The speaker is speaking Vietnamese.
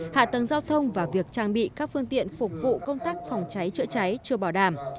hạ tầng giao thông và việc trang bị các phương tiện phục vụ công tác phòng cháy chữa cháy chưa bảo đảm